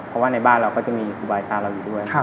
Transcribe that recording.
เพราะว่าในบ้านเราก็จะมีครูบาอาจารย์เราอยู่ด้วย